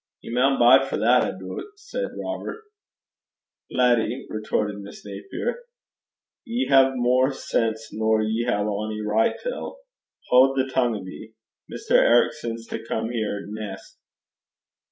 'Ye maun bide for that, I doobt,' said Robert. 'Laddie,' retorted Miss Napier, 'ye hae mair sense nor ye hae ony richt till. Haud the tongue o' ye. Mr. Ericson 's to come here neist.'